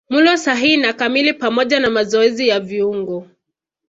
Mlo sahihi na kamili pamoja na mazoezi ya viungo